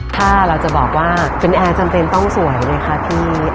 ถ้าเราจะบอกว่าคุณแอร์จำเป็นต้องสวยไงคะพี่